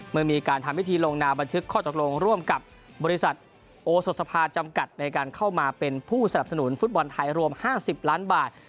เมื่อมีการทำพิธีลงนามบันทึกข้อตกลงร่วมกับบริษัทโอสดสภาจำกัดในการเข้ามาเป็นผู้สนับสนุนฟุตบอลไทยรวม๕๐ล้านบาท